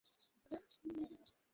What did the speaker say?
তিনি হেইডেনকে সহায়তা করেন।